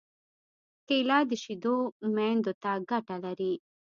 کېله د شېدو میندو ته ګټه لري.